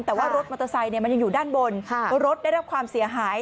แต่ว่ารถมอเตอร์ไซค์มันยังอยู่ด้านบนรถได้รับความเสียหาย